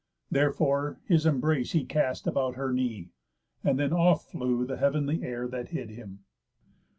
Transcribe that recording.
Therefore his embrace He cast about her knee. And then off flew The heav'nly air that hid him.